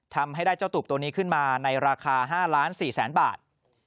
ทำให้ได้เจ้าตูบตัวนี้ขึ้นมาในราคา๕๔๐๐๐บาท